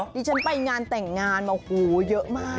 ดิฉันไปงานแต่งงานมาโหเยอะมาก